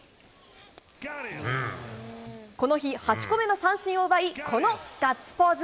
この日、８個目の三振を奪い、このガッツポーズ。